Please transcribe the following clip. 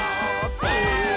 ブ！